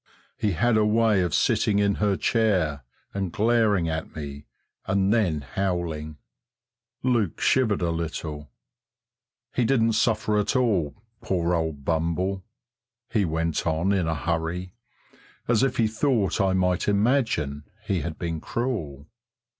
"He had a way of sitting in her chair and glaring at me, and then howling." Luke shivered a little. "He didn't suffer at all, poor old Bumble," he went on in a hurry, as if he thought I might imagine he had been cruel.